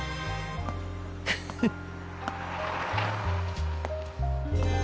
フフッ。